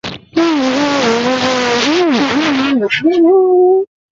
যান্ত্রিক ত্রুটি ঘটে লোকোমোটিভের ত্রুটি, ত্রুটিযুক্ত ট্র্যাক ও সিগন্যাল পদ্ধতির কারণে।